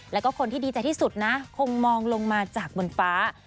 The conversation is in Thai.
แล้วก็คนที่ดีใจที่สุดนะคงมองลงมาจากบนฟ้า